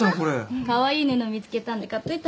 カワイイ布見つけたんで買っといたんです。